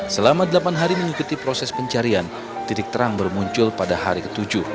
selama delapan hari mengikuti proses pencarian titik terang bermuncul pada hari ke tujuh